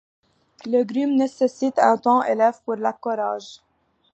Les grumes nécessitent un temps élevé pour l'accorage.